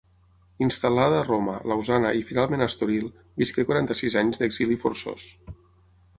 Instal·lada a Roma, Lausana i finalment a Estoril visqué quaranta-sis anys d'exili forçós.